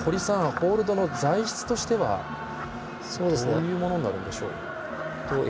ホールドの材質としてはどういうものになるんでしょう。